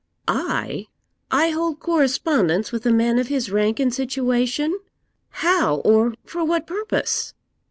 'I! I hold correspondence with a man of his rank and situation! How, or for what purpose?'